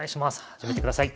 始めてください。